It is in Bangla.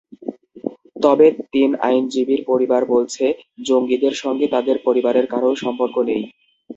তবে তিন আইনজীবীর পরিবার বলছে, জঙ্গিদের সঙ্গে তাঁদের পরিবারের কারও সম্পর্ক নেই।